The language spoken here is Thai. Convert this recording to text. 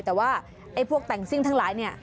แต่ว่าพวกแต่งซิ่งทั้งหลาย